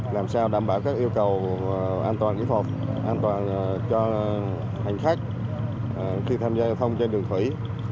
làm sao đảm bảo các yêu cầu an toàn kỹ thuật an toàn cho hành khách khi tham gia giao thông trên đường thủy